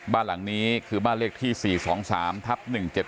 บ้านหลังนี้คือบ้านเลขที่๔๒๓ทับ๑๗๗